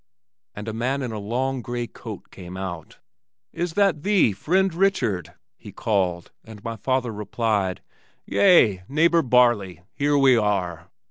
and a man in a long gray coat came out. "Is that thee, friend Richard?" he called, and my father replied, "Yea, neighbor Barley, here we are!"